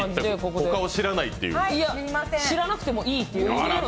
他を知らなくてもいいっていう感じで。